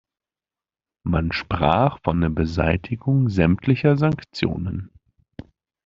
Man sprach von der Beseitigung sämtlicher Sanktionen.